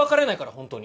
本当に。